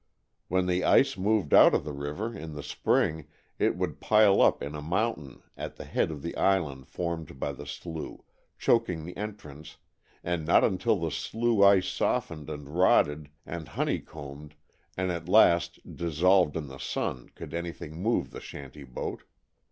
When the ice moved out of the river in the spring it would pile up in a mountain at the head of the island formed by the slough, choking the entrance, and not until the slough ice softened and rotted and honeycombed and at last dissolved in the sun, could anything move the shanty boat.